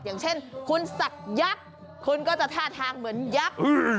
อย่างเช่นคุณศักยักษ์คุณก็จะท่าทางเหมือนยักษ์